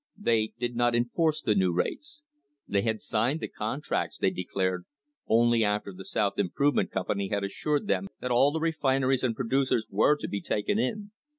They did not enforce the new rates. They had signed the con tracts, they declared, only after the South Improvement Com pany had assured them that all the refinerie s and producers were to be taken in.